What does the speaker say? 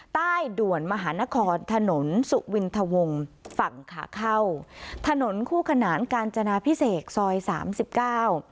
ใต้ด่วนมหานครถนนสุวินทวงฝั่งขาเข้าถนนคู่ขนานกาญจนาพิเศษซอยสามสิบเก้า